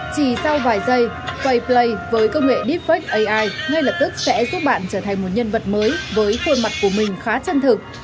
chỉ sau vài giây kay play với công nghệ deepfake ai ngay lập tức sẽ giúp bạn trở thành một nhân vật mới với khuôn mặt của mình khá chân thực